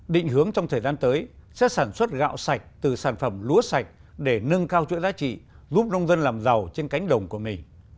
định hướng trong thời gian tới sẽ sản xuất gạo sạch từ sản phẩm lúa sạch để nâng cao chuỗi giá trị giúp nông dân làm giàu trên cánh đồng của mình